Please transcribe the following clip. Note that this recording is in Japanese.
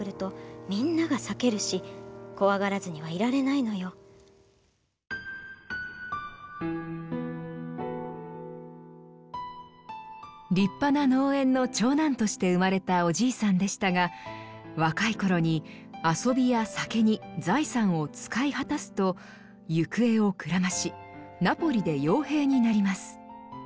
私のようにあとはそれでは２本続けてお楽しみ下さい立派な農園の長男として生まれたおじいさんでしたが若い頃に遊びや酒に財産を使い果たすと行方をくらましナポリで傭兵になります。